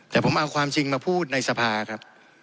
แต่ผมเอาความจริงมาพูดในสภาครับ